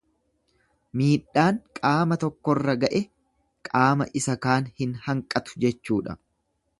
Miidhaan qaama tokkorra ga'e qaama isa kaan hin hanqatu jechuudha.